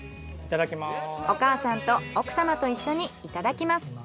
お母さんと奥様と一緒にいただきます。